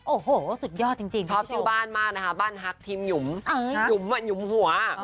โอ้โหสุดยอดจริงชอบชื่อบ้านมากนะคะบ้านฮักทีมหยุมหยุมอ่ะหยุมหัว